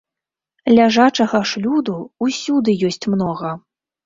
Ляжачага ж люду усюды ёсць многа!